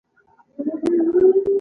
والیبال ډله ییزه لوبه ده